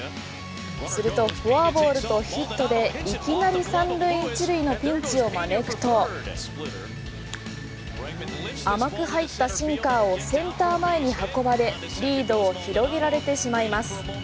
するとフォアボールとヒットでいきなり３塁１塁のピンチを招くと甘く入ったシンカーをセンター前に運ばれリードを広げられてしまいます。